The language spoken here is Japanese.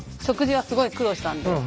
食事はすごい苦労したんで。